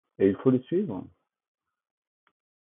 Et il faut le suivre ?